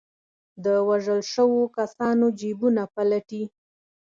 د وژل شوو کسانو جېبونه پلټي.